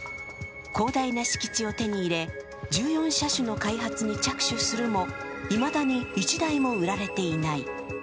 広大な敷地を手に入れ、１４車種の開発に着手するもいまだに１台も売られていない。